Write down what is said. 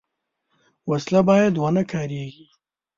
وسله باید ونهکارېږي